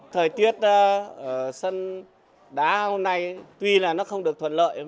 thời tiết sân đá hôm nay tuy là nó không được thuận lợi